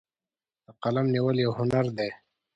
د قلم نیول یو هنر دی.